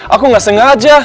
aku gak sengaja